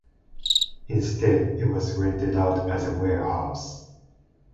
Instead it was rented out as a warehouse.